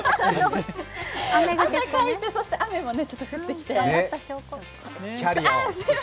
汗かいて雨もちょっと降ってきて。